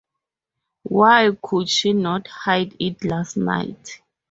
Why could she not hide it last night?